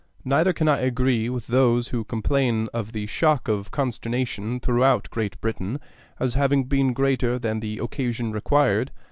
"Neither can I agree with those who complain of the shock of consternation throughout Great Britain as having been greater than the occasion required....